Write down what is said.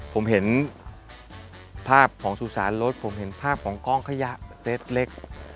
ผมเห็นภาพของสุสานรถผมเห็นภาพของกล้องขยะเซ็ตเล็ก